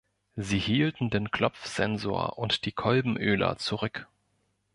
Sie hielten den Klopfsensor und die Kolbenöler zurück.